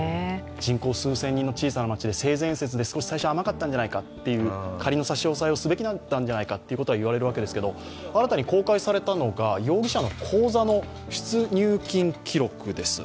人口数千人の小さな町で、性善説で少し最初は甘かったんじゃないか、仮の差し押さえをすべきだったんじゃないかといわれるわけですが新たに公開されたのが容疑者の口座の出入金記録です。